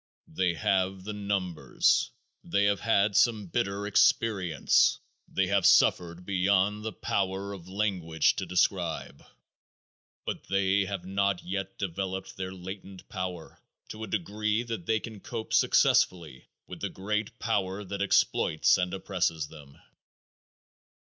They have the numbers. They have had some bitter experience. They have suffered beyond the power of language to describe, but they have not yet developed their latent power to a degree that they can cope successfully with the great power that exploits and oppresses them.